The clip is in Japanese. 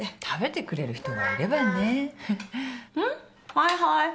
はいはい。